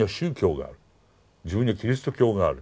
自分にはキリスト教がある。